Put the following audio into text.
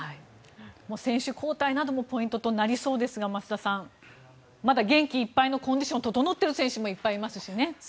選手交代などもポイントとなりそうですが増田さん、まだ元気いっぱいのコンディションが整ってる選手もいっぱいいますしね。